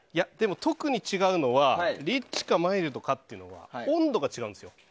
特に違うのはリッチかマイルドかって温度が違うんですよ。